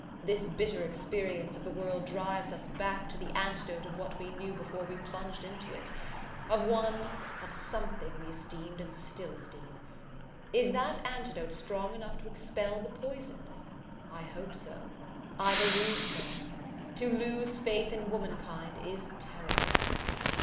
This bitter experience of the world drives us back to the antidote of what we knew before we plunged into it: of one ... of something we esteemed and still esteem. Is that antidote strong enough to expel the poison? I hope so! I believe so! To lose faith in womankind is terrible."